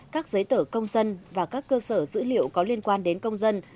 các giấy tờ công dân và các cơ sở dữ liệu có liên quan đến công dân